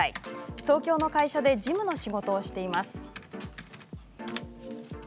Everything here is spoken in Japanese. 東京の会社で事務の仕事をしています。